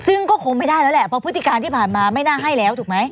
ซึ่งก็คงไม่ได้แล้วแหละเพราะพฤติการที่ผ่านมาไม่น่าให้แล้วถูกไหม